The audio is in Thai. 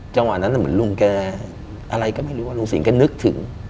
จังหวะนั้นเหมือนลุงแกอะไรก็ไม่รู้ว่าลุงสิงก็นึกถึง